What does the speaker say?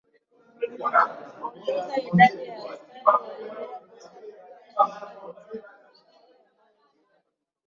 Kuongeza idadi ya askari wa doria katika maeneo ya hifadhi za wanyamapori ambao pia